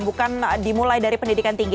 bukan dimulai dari pendidikan tinggi